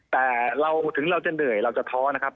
แต่เราถึงเราจะเหนื่อยเราจะท้อนะครับ